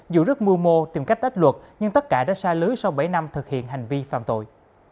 dù rất mưu mô tìm cách ách luật nhưng tất cả đã xa lưới sau bảy năm thực hiện hành vi phạm tội